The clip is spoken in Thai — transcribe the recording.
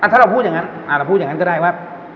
ถ้าเราพูดอย่างนั้นก็ได้ว่า